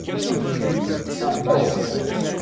Neqqim.